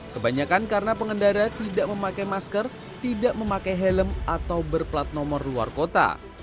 kebanyakan karena pengendara tidak memakai masker tidak memakai helm atau berplat nomor luar kota